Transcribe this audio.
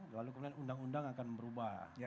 lalu kemudian undang undang akan berubah